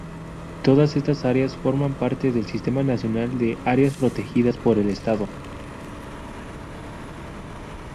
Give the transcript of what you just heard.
Todas estas áreas forman parte del Sistema Nacional de Áreas Protegidas por el Estado.